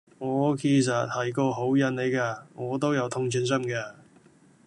我其實係個好人嚟架，我都有同情心㗎